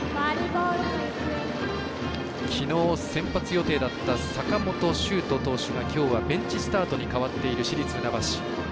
きのう先発予定だった坂本崇斗投手がきょうはベンチスタートに変わっている、市立船橋。